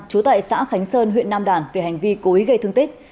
trú tại xã khánh sơn huyện nam đàn về hành vi cố ý gây thương tích